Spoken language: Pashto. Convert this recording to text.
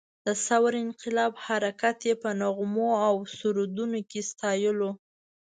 د ثور انقلاب حرکت یې په نغمو او سرودونو کې ستایلو.